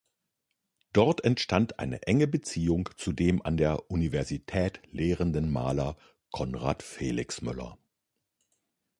Dort entstand eine enge Beziehung zu dem an der Universität lehrenden Maler Conrad Felixmüller.